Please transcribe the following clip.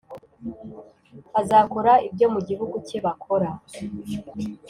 azakora ibyo mu gihugu cye bakora